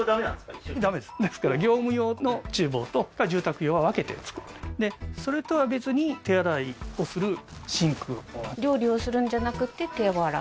一緒にダメですですから業務用の厨房と住宅用は分けて作ってでそれとは別に手洗いをするシンク料理をするんじゃなくて手を洗う？